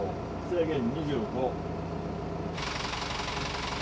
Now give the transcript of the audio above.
制限２５。